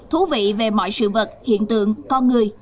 thú vị về mọi sự vật hiện tượng con người